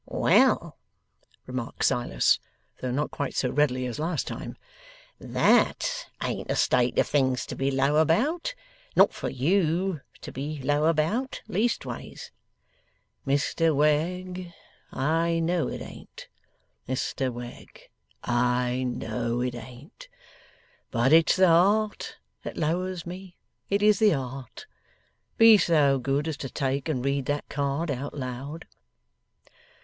'Well,' remarks Silas (though not quite so readily as last time), 'THAT ain't a state of things to be low about. Not for YOU to be low about, leastways.' 'Mr Wegg, I know it ain't; Mr Wegg, I know it ain't. But it's the heart that lowers me, it is the heart! Be so good as take and read that card out loud.